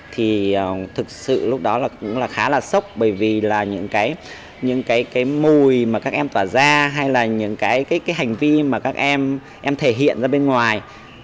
thì thực sự lúc đó là cũng là khá là sốc bởi vì là những cái mùi mà các em tỏa ra hay là những cái hành vi mà các em em thể hiện ra bên ngoài